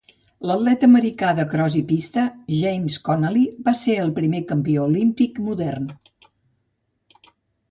L'atleta americà de cros i pista James Connolly va ser el primer campió olímpic modern.